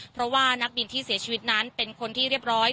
เพราะว่านักบินที่เสียชีวิตนั้นเป็นคนที่เรียบร้อย